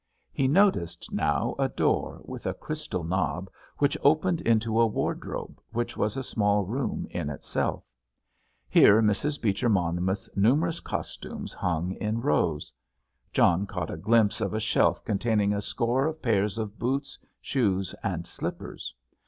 He noticed now a door, with a crystal knob, which opened into a wardrobe, which was a small room in itself. Here Mrs. Beecher Monmouth's numerous costumes hung in rows. John caught a glimpse of a shelf containing a score of pairs of boots, shoes and slippers.